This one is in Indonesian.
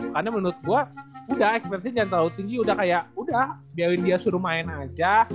karena menurut gue udah ekspektasi jangan terlalu tinggi udah kayak udah biarin dia suruh main aja